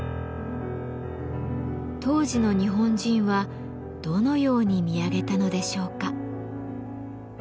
当時の日本人はどのように見上げたのでしょうか？